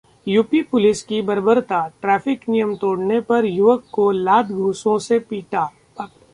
UP police की बर्बरता, traffic नियम तोड़ने पर युवक को लात-घूसों से पीटा